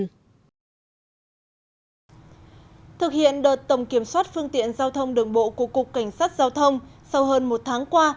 thực hiện đợt tổng kiểm soát phương tiện giao thông đường bộ của cục cảnh sát giao thông sau hơn một tháng qua